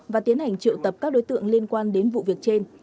và tiến hành triệu tập các đối tượng liên quan đến vụ việc trên